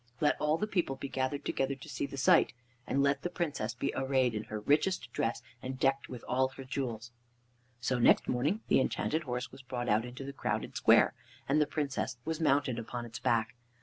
Let all the people be gathered together to see the sight, and let the Princess be arrayed in her richest dress and decked with all her jewels." So next morning the Enchanted Horse was brought out into the crowded square, and the Princess was mounted upon its back.